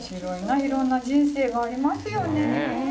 いろんな人生がありますよね。